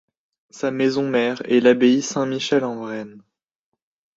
Sa maison mère est l'abbaye Saint-Michel-en-Brenne.